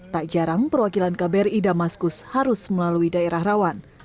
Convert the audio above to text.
tak jarang perwakilan kbri damaskus harus melalui daerah rawan